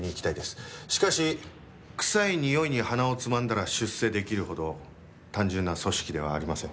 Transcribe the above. しかし臭いにおいに鼻をつまんだら出世できるほど単純な組織ではありません。